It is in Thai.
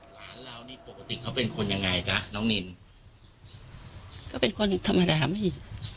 หลานเรานี่ปกติเขาเป็นคนยังไงจ๊ะน้องนินก็เป็นคนธรรมดาไม่มี